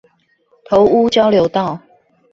頭屋交流道